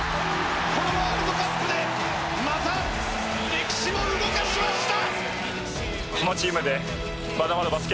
このワールドカップでまた歴史を動かしました。